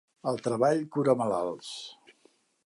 El treball cura malalts.